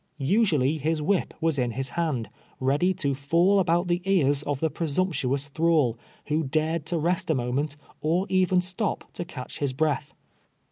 Usually his whip was in his hand, ready to fjill about the ears of the presumptuous thrall, who dared to rest a moment, or even stop to catch his breath.